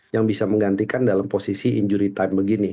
yang bisa menggantikan dalam posisi injury time begini